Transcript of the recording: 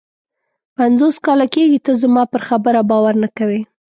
پنځوس کاله کېږي ته زما پر خبره باور نه کوې.